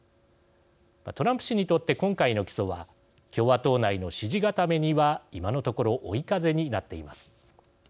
トランプ氏にとって今回の起訴は共和党内の支持固めには今のところ追い風になっています。